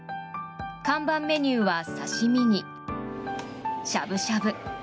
看板メニューは刺し身にしゃぶしゃぶ。